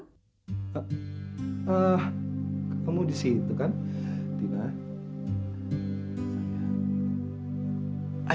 eh eh kamu disitu kan tina sayang